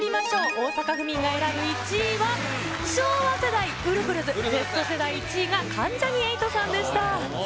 大阪府民が選ぶ１位は、昭和世代、ウルフルズ、Ｚ世代１位が関ジャニ∞さんでした。